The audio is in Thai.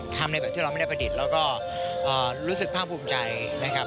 ในแบบที่เราไม่ได้ประดิษฐ์แล้วก็รู้สึกภาคภูมิใจนะครับ